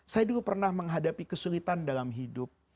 saya dulu pernah menghadapi kesulitan dalam hidup